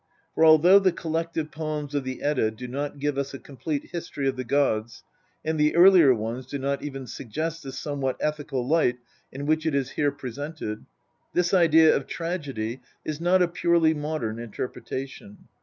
For although the collective poems of the Edda do not give us a complete history of the gods, and the "earlier ones do not even suggest the somewhat ethical light in which it is here presented, this idea of tragedy is not a purely modern interpretation.